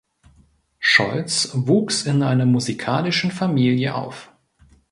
Scholz wuchs in einer musikalischen Familie auf.